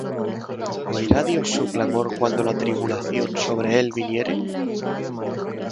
¿Oirá Dios su clamor Cuando la tribulación sobre él viniere?